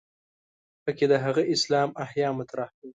په کې د هغه اسلام احیا مطرح ده.